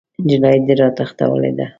نجلۍ دې راتښتولې ده!